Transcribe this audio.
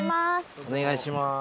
お願いします。